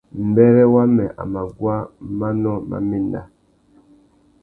Mbêrê wamê a mà guá manô má méndá.